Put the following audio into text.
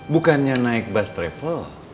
bukannya naik bus travel